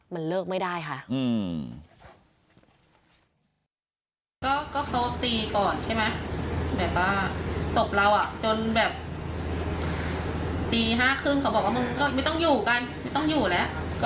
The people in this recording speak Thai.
มันเลิกไม่ได้ค่ะ